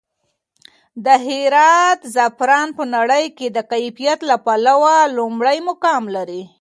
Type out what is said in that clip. د هرات زعفران په نړۍ کې د کیفیت له پلوه لومړی مقام لري.